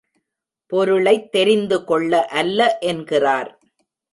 பொருளைத் தெரிந்துகொள்ள அல்ல என்கிறார்.